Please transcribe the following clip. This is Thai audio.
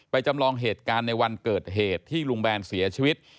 จำลองเหตุการณ์ในวันเกิดเหตุที่ลุงแบนเสียชีวิต